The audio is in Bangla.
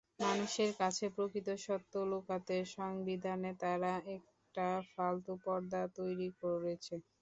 মানুষের কাছে প্রকৃত সত্য লুকাতে সংবিধানে তারা একটা ফালতু পর্দা তৈরি করেছে।